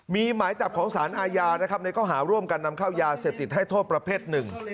มีหมายจับของสารอาญานะครับในข้อหาร่วมกันนำเข้ายาเสพติดให้โทษประเภทหนึ่ง